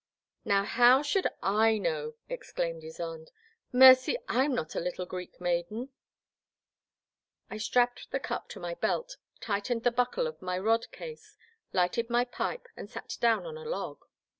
Now how should I know, '* exclaimed Ysonde, mercy, I 'm not a little Greek maiden !" I strapped the cup to my belt, tightened the buckle of my rod case, lighted my pipe, and sat down on a log.